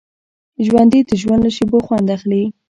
ژوندي د ژوند له شېبو خوند اخلي